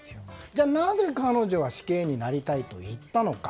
じゃあなぜ、彼女は死刑になりたいといったのか。